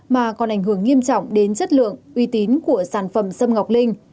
mà còn ảnh hưởng nghiêm trọng đến chất lượng uy tín của sản phẩm xâm ngọc linh